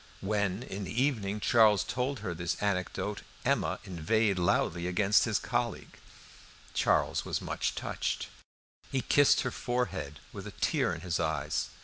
When, in the evening, Charles told her this anecdote, Emma inveighed loudly against his colleague. Charles was much touched. He kissed her forehead with a tear in his eyes.